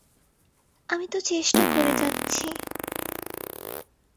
আমি তো চেষ্টা করে যাচ্ছি।